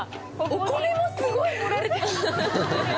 お米もすごい盛られてる！